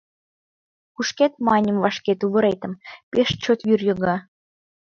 Кушкед, маньым, вашке тувыретым, пеш чот вӱр йога...»